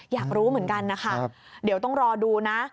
อยากรู้เหมือนกันนะคะเดี๋ยวต้องรอดูนะ